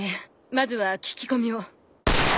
まずは聞き込みを。